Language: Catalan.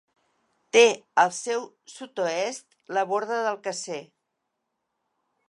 Té al seu sud-oest la Borda del Caser.